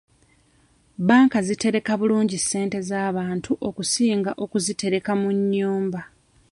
Bbanka zitereka bulungi ssente z'abantu okusinga okuzitereka mu nnyumba.